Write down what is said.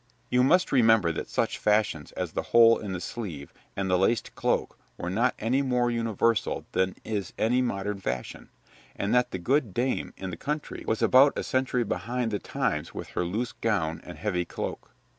You must remember that such fashions as the hole in the sleeve and the laced cloak were not any more universal than is any modern fashion, and that the good dame in the country was about a century behind the times with her loose gown and heavy cloak.